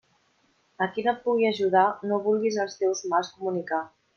A qui no et pugui ajudar no vulguis els teus mals comunicar.